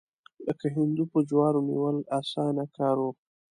لکه هندو په جوارو نیول، اسانه کار و.